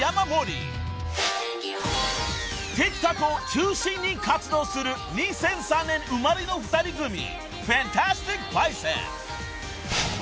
［ＴｉｋＴｏｋを中心に活動する２００３年生まれの２人組］